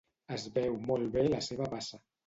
Es veu molt bé la seva bassa.